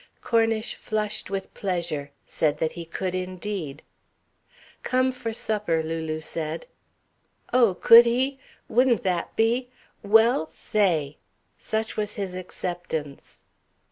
Cornish flushed with pleasure, said that he could indeed. "Come for supper," Lulu said. Oh, could he? Wouldn't that be.... Well, say! Such was his acceptance.